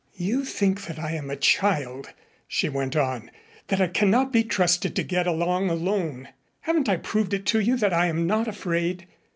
"You think that I am a child," she went on, "that I cannot be trusted to get along alone. Haven't I proved it to you that I am not afraid?